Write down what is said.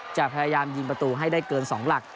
พยายามยิงประตูให้ได้เกิน๒หลัก